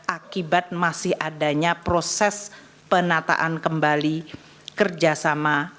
akibat masih adanya proses penataan kembali kerjasama